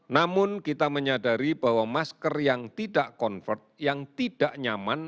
namun kita menyadari bahwa masker yang tidak convert yang tidak nyaman